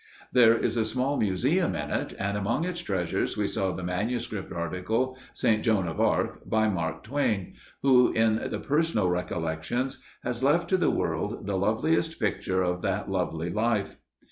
There is a small museum in it, and among its treasures we saw the manuscript article "St. Joan of Arc," by Mark Twain, who, in the "Personal Recollections," has left to the world the loveliest picture of that lovely life.